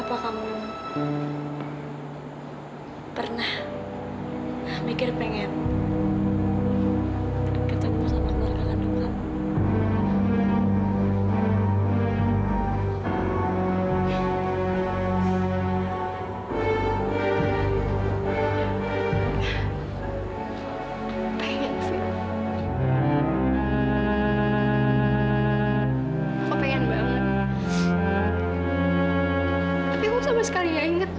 aku pengen melakukan mereka